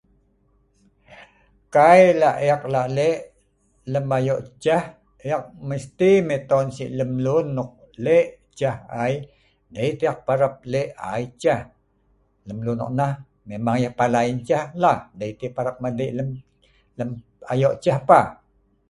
Kai lah e’ik lak lek lem ayok ceh e’ik mesti meton Sik lemlun nok lek ceh ai dei teh e’ik parap lek ai ceh lem lun nonah memang yeh palai ngen ceh lah dei teh yeh parap ma di’ek lem ayok ceh pah